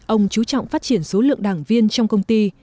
ông chú trọng phát triển số lượng đảng viên trong công ty